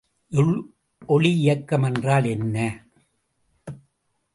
ஒளி இயக்கம் என்றால் என்ன?